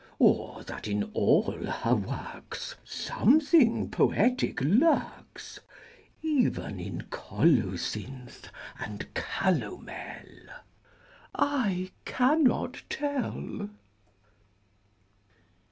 Or that in all her works Something poetic lurks, Even in colocynth and calomel? I cannot tell.